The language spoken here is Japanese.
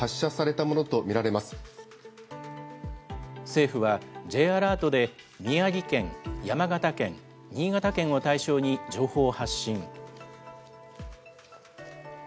政府は、Ｊアラートで宮城県、山形県、新潟県を対象に情報を発信。